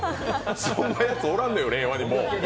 そんなやつおらんのよ、令和にはもう。